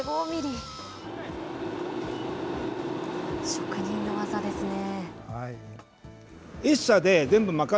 職人の技ですね。